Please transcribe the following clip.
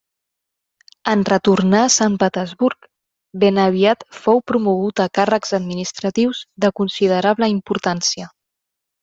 En retornar a Sant Petersburg, ben aviat fou promogut a càrrecs administratius de considerable importància.